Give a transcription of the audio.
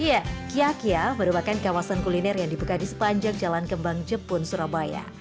iya kiyakia merupakan kawasan kuliner yang dibuka di sepanjang jalan kembang jepun surabaya